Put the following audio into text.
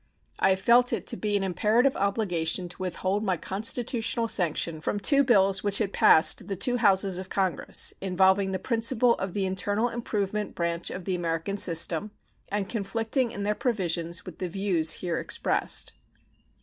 I have felt it to be an imperative obligation to withhold my constitutional sanction from two bills which had passed the two Houses of Congress, involving the principle of the internal improvement branch of the "American system" and conflicting in their provisions with the views here expressed.